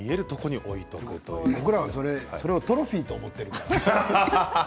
僕らはそれをトロフィーと思っているから。